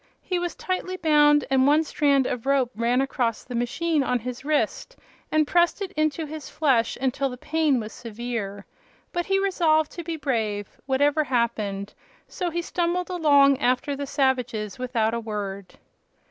He was tightly bound, and one strand of rope ran across the machine on his wrist and pressed it into his flesh until the pain was severe. But he resolved to be brave, whatever happened, so he stumbled along after the savages without a word.